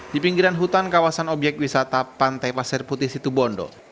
di pinggiran hutan kawasan obyek wisata pantai pasir putih situbondo